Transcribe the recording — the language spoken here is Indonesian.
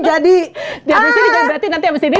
jadi tiap kesini jadi nanti yang